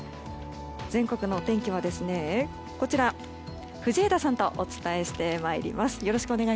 全国のお天気は、藤枝さんとお伝えしてまいります。